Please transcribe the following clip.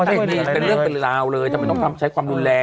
ไม่มีเป็นเรื่องเป็นราวเลยทำไมต้องใช้ความรุนแรง